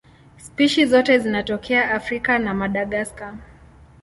Spishi zote zinatokea Afrika na Madagaska.